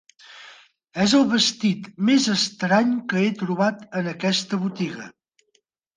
És el vestit més estrany que he trobat en aquesta botiga.